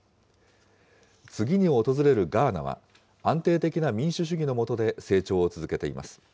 次に訪れるガーナは、安定的な民主主義の下で成長を続けています。